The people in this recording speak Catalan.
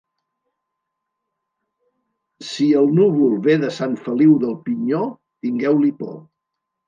Si el núvol ve de Sant Feliu del Pinyó, tingueu-li por.